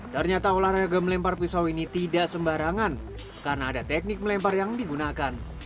ternyata olahraga melempar pisau ini tidak sembarangan karena ada teknik melempar yang digunakan